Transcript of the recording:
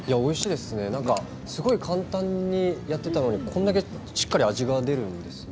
すごく簡単にやっていたのにこれだけしっかり味が出るんですね。